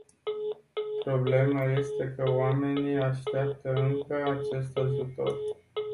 Problema este că oamenii așteaptă încă acest ajutor.